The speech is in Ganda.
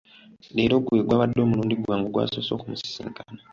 Leero gwe gwabadde omulundi gwange ogwasoose okumusisinkana.